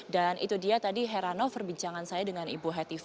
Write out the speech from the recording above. dan itu dia tadi herano verbincangan saya dengan ibu hetifah